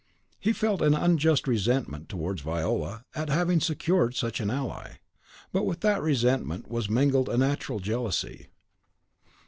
He felt an unjust resentment towards Viola at having secured such an ally. But with that resentment was mingled a natural jealousy.